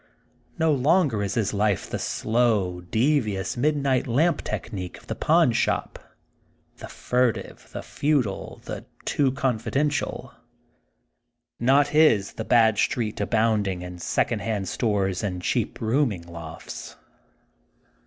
No longer 82 THE GOLDEN BOOK OF SPRINGFIELD is his life the slow, devious midnight lamp technique of the pawnshop, the furtive, the futile, the too confidential. Not his the bad street abounding in Becond hand stores and cheap rooming lofts.